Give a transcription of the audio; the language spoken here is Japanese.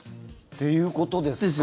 っていうことですか。